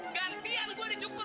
gantian gue di cukur